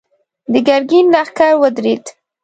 د ګرګين لښکر ودرېد.